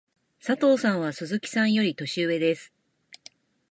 佐藤さんは鈴木さんより年上です。